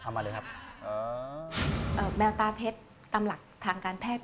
แมวตาเพชรตามหลักฐานการแพทย์